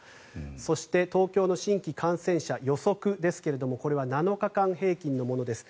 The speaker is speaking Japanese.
そして、東京の新規感染者予測ですがこれは７日間平均のものです。